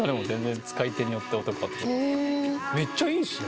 めっちゃいいですね！